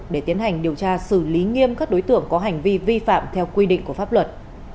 để tiến hành điều tra xử lý nghiêm các đối tượng có hành vi vi phạm theo quy định của pháp luật